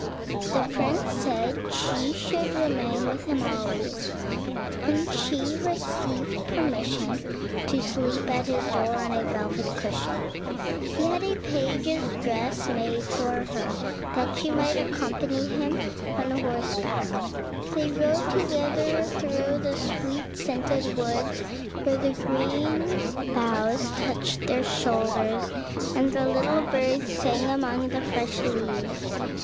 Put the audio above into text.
The prince said she should remain with him always, and she received permission to sleep at his door, on a velvet cushion. He had a page's dress made for her, that she might accompany him on horseback. They rode together through the sweet scented woods, where the green boughs touched their shoulders, and the little birds sang among the fresh leaves.